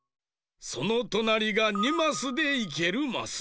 そのとなりが２マスでいけるマス。